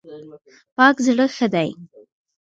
پاک زړه ښه دی.